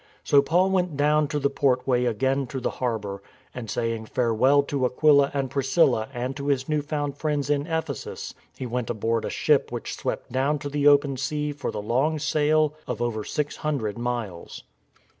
So Paul went down the portway again to the harbour, and saying " farewell " to Aquila and Priscilla and to his new found friends in Ephesus, he went aboard a ship which swept down to the open sea for the long sail of over six hundred miles.